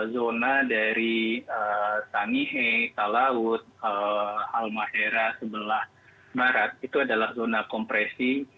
zona dari tanihe talaut almahera sebelah barat itu adalah zona kompresi